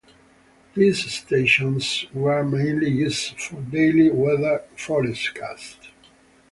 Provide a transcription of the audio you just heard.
These stations were mainly used for daily weather forecasts.